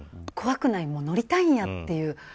怖くない乗りたいんやっていう。